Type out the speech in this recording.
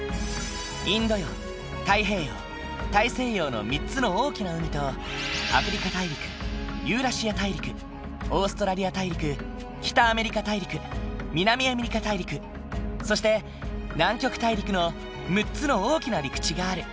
インド洋太平洋大西洋の３つの大きな海とアフリカ大陸ユーラシア大陸オーストラリア大陸北アメリカ大陸南アメリカ大陸そして南極大陸の６つの大きな陸地がある。